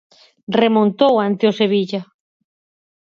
Remontou ante o Sevilla.